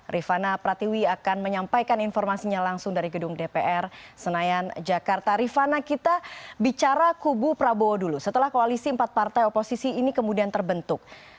rifana pratiwi akan menyampaikan informasinya langsung dari gedebuk